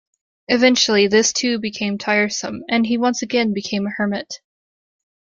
Eventually, this too became tiresome and he once again became a hermit.